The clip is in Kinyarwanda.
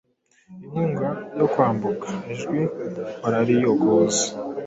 inkunga yo kwambuka, Ijwi barariyogoza;